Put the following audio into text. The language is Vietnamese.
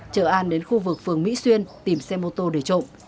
chở an đến khu vực phường mỹ xuyên tìm xe mô tô để trộm